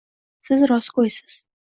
-Siz rostgo’ysiz.